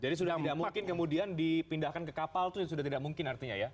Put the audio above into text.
jadi sudah tidak mungkin kemudian dipindahkan ke kapal itu sudah tidak mungkin artinya ya